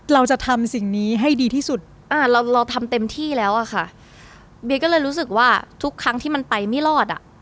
เราจะทำสิ่งนี้ให้ดีที่สุดอ่าเราเราทำเต็มที่แล้วอะค่ะเบียก็เลยรู้สึกว่าทุกครั้งที่มันไปไม่รอดอ่ะ